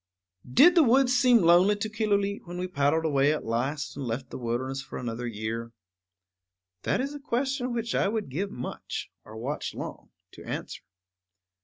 Did the woods seem lonely to Killooleet when we paddled away at last and left the wilderness for another year? That is a question which I would give much, or watch long, to answer.